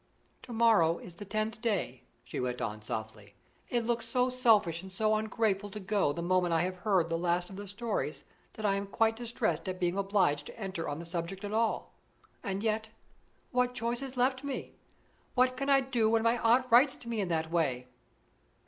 "To morrow is the tenth day," she went on, softly. "It looks so selfish and so ungrateful to go the moment I have heard the last of the stories, that I am quite distressed at being obliged to enter on the subject at all. And yet, what choice is left me? what can I do when my aunt writes to me in that way?"